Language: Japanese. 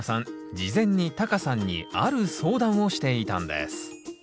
事前にタカさんにある相談をしていたんですん？